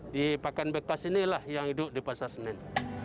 di pakan bekas inilah yang hidup di pasar senen